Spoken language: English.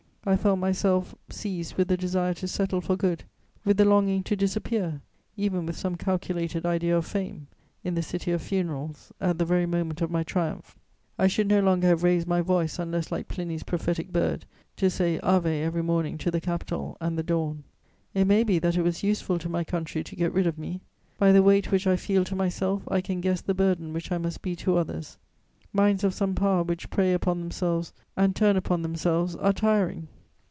_ I felt myself seized with the desire to settle for good, with the longing to disappear (even with some calculated idea of fame) in the city of funerals, at the very moment of my triumph. I should no longer have raised my voice, unless like Pliny's prophetic bird, to say Ave every morning to the Capitol and the dawn. It may be that it was useful to my country to get rid of me: by the weight which I feel to myself, I can guess the burden which I must be to others. Minds of some power which prey upon themselves and turn upon themselves are tiring.